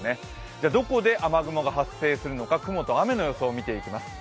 では、どこで雨雲が発生するのか、雲と雨の予想を見ていきます。